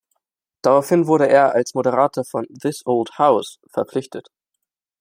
Daraufhin wurde er als Moderator von "This Old House" verpflichtet.